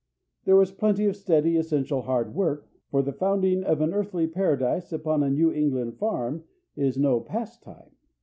There was plenty of steady, essential, hard work, for the founding of an earthly paradise upon a New England farm is no pastime.